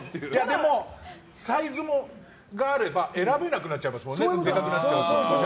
でも、サイズがあれば選べなくなっちゃいますもんね。